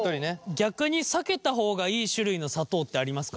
逆に避けた方がいい種類の砂糖ってありますか？